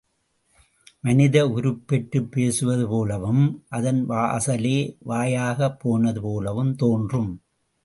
மனித உருப்பெற்று பேசுவதுபோலவும், அதன் வாசலே, வாயாகப் போனது போலவும் தோன்றும்.